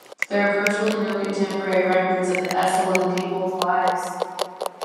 There are virtually no contemporary records of the Esselen people's lives.